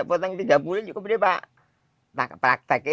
potongan tiga puluh cukup untuk praktek